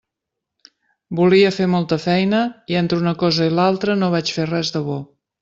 Volia fer molta feina i entre una cosa i l'altra no vaig fer res de bo.